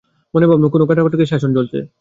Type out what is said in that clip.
মনে ভাবলুম, কোনো গাঁটকাটাকে শাসন চলছে।